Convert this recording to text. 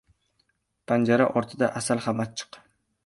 • Panjara ortida asal ham achchiq.